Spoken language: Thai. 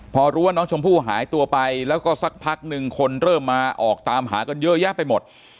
พอรู้ว่าน้องชมพู่หายตัวไปแล้วก็สักพักนึงคนเริ่มมาออกตามหากันเยอะแยะไปหมด